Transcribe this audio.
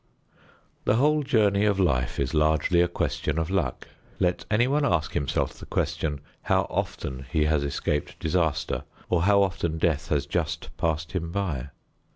The whole journey of life is largely a question of luck. Let anyone ask himself the question how often he has escaped disaster or how often death has just passed him by.